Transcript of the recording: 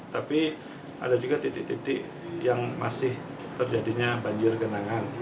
tapi ada juga titik titik yang masih terjadinya banjir genangan